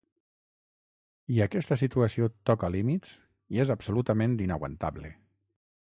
I aquesta situació toca límits i és absolutament inaguantable.